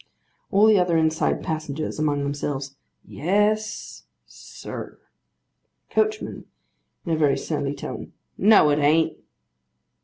ALL THE OTHER INSIDE PASSENGERS. (Among themselves.) Yes, sir. COACHMAN. (In a very surly tone.) No it an't.